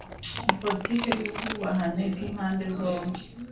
ni politiki y’ubwubahane bw’impande zombi